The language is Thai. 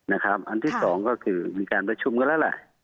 อันที่สองก็คืออยู่การประชุมกันแล้วล่ะ